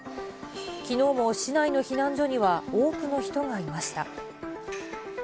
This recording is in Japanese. きのうも市内の避難所には多くの人がいました。